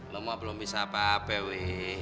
lo mah belum bisa apa apa wik